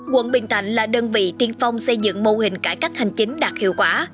quận bình thạnh là đơn vị tiên phong xây dựng mô hình cải cách hành chính đạt hiệu quả